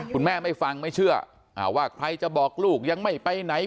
ไม่ฟังไม่เชื่อว่าใครจะบอกลูกยังไม่ไปไหน